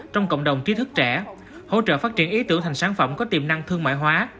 trong cộng đồng trí thức trẻ hỗ trợ phát triển ý tưởng thành sản phẩm có tiềm năng thương mại hóa